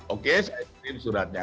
oke saya kirim suratnya